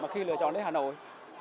khi lựa chọn đến hà nội